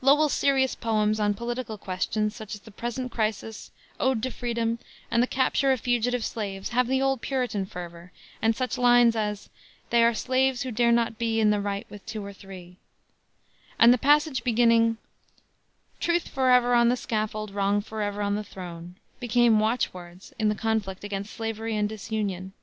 Lowell's serious poems on political questions, such as the Present Crisis, Ode to Freedom, and the Capture of Fugitive Slaves, have the old Puritan fervor, and such lines as "They are slaves who dare not be In the right with two or three," and the passage beginning "Truth forever on the scaffold, Wrong forever on the throne," became watchwords in the conflict against slavery and disunion.